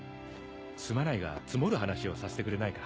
すまないが積もる話をさせてくれないか。